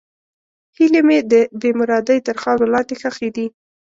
هیلې مې د بېمرادۍ تر خاورو لاندې ښخې دي.